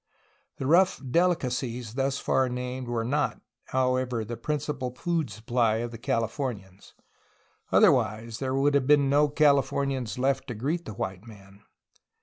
The "rough dehcacies'^ thus far named were not, however, the principal food supply of the Calif ornians; otherwise, there would have been no Californians left to greet the white man.